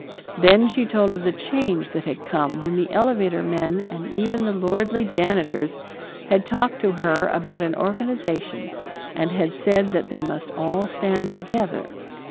Then she told of the change that had come when the elevator men and even the lordly janitors had talked to her about an organization and had said that they must all stand together.